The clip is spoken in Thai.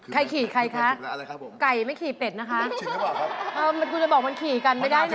ใครขี่ใครคะผมไก่ไม่ขี่เป็ดนะคะเออมันกูจะบอกมันขี่กันไม่ได้นะ